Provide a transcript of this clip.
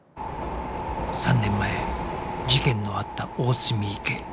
３年前事件のあった大澄池